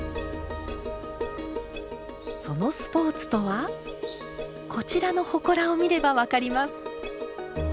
そのスポーツとはこちらのほこらを見れば分かります。